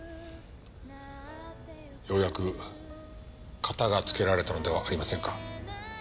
ようやくカタがつけられたのではありませんか？